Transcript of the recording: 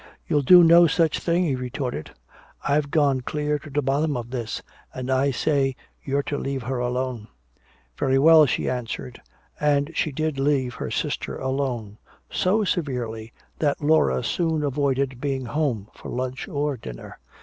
"You'll do no such thing!" he retorted. "I've gone clear to the bottom of this and I say you're to leave her alone!" "Very well," she answered. And she did leave her sister alone, so severely that Laura soon avoided being home for lunch or dinner.